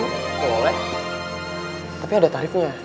boleh tapi ada tarifnya